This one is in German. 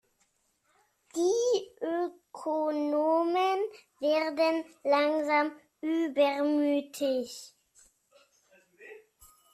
Die Ökonomen werden langsam übermütig.